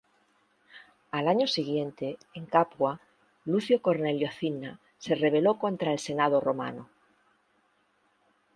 Al año siguiente, en Capua, Lucio Cornelio Cinna se rebeló contra el Senado Romano.